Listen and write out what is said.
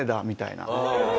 みたいな。